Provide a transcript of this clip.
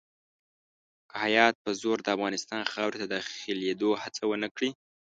که هیات په زور د افغانستان خاورې ته داخلېدلو هڅه ونه کړي.